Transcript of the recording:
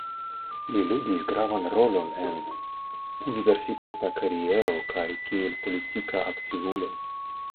Li ludis gravan rolon en universitata kariero kaj kiel politika aktivulo.